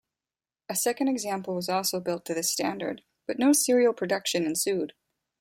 A second example was also built to this standard, but no serial production ensued.